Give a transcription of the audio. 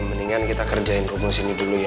mendingan kita kerjain rumus ini dulu ya